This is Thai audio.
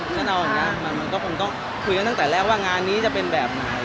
มันก็คงต้องคุยตั้งแต่แรกว่างานนี้จะเป็นแบบไหน